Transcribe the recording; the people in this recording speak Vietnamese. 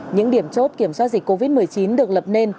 những điểm chốt kiểm soát dịch covid một mươi chín được lập nên